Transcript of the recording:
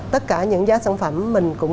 tất cả những giá sản phẩm mình cũng